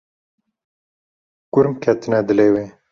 Kurm ketine dilê wê.